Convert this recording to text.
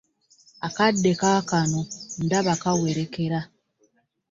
Akadde kaakano ndaba keweerekera.